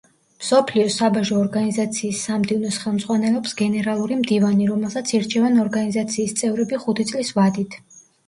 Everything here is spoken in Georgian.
მსოფლიო საბაჟო ორგანიზაციის სამდივნოს ხელმძღვანელობს გენერალური მდივანი, რომელსაც ირჩევენ ორგანიზაციის წევრები ხუთი წლის ვადით.